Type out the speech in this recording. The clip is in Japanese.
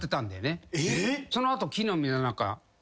その後木の実ナナ。